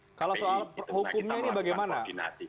kalau soal hukumnya ini bagaimana